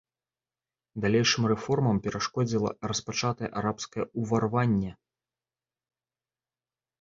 Далейшым рэформам перашкодзіла распачатае арабскае ўварванне.